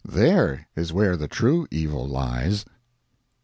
There is where the true evil lies.